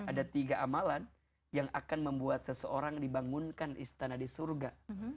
ada tiga amalan yang akan membuat seseorang dibangunkan istana di surga